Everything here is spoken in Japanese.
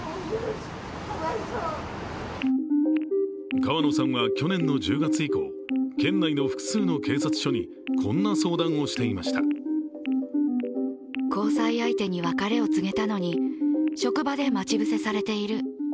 川野さんは去年の１０月以降、県内の複数の警察署にこんな相談をしていました。